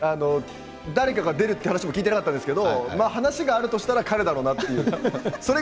誰かが出るという話は聞いてなかったんですけど話があるとしたら彼だろうなって。